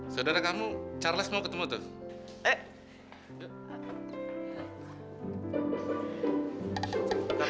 saudara kamu charles mau ketemu tuh